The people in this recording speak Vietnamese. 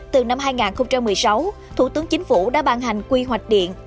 từ năm hai nghìn một mươi sáu thủ tướng chính phủ đã ban hành quy hoạch điện